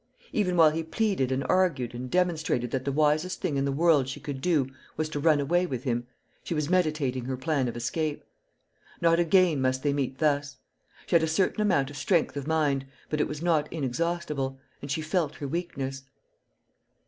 Even while he pleaded and argued and demonstrated that the wisest thing in the world she could do was to run away with him, she was meditating her plan of escape. Not again must they meet thus. She had a certain amount of strength of mind, but it was not inexhaustible, and she felt her weakness.